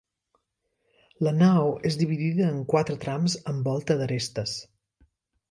La nau és dividida en quatre trams amb volta d'arestes.